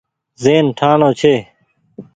زهين ٺآڻو ڇي۔